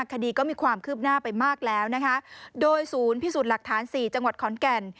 คดีก็มีความคืบหน้าไปมากแล้วนะคะโดยศูนย์พิสูจน์หลักฐานสี่จังหวัดขอนแก่น